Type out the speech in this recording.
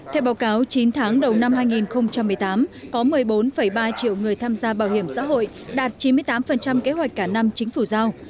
theo báo cáo chín tháng đầu năm hai nghìn một mươi tám có một mươi bốn ba triệu người tham gia bảo hiểm xã hội đạt chín mươi tám kế hoạch cả năm chính phủ giao